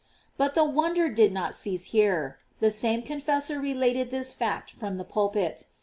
But the wonder did not cease here. The same confessor related this fact from the pulpit.